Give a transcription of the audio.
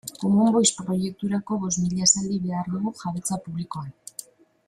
Common Voice proiekturako bost mila esaldi behar dugu jabetza publikoan